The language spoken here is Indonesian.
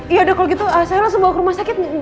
yaudah kalau gitu saya langsung bawa ke rumah sakit